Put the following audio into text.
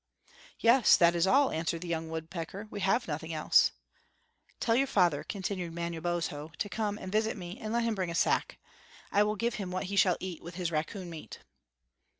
"Yes, that is all," answered the young Woodpecker; "we have nothing else." "Tell your father," continued Manabozho, "to come and visit me, and let him bring a sack. I will give him what he shall eat with his raccoon meat."